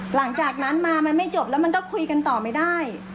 หลังจากนั้นมามันไม่จบแล้วมันก็คุยกันต่อไม่ได้